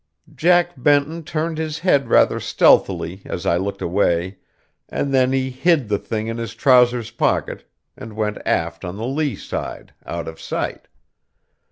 Jack Benton turned his head rather stealthily as I looked away, and then he hid the thing in his trousers pocket, and went aft on the lee side, out of sight.